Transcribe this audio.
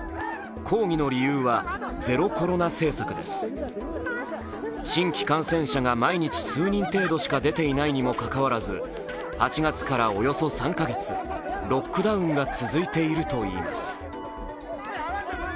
抗議の理由は、ゼロコロナ政策です新規感染者が毎日数人程度しか出ていないにもかかわらず８月からおよそ３か月、ロックダウンが続いているといいます。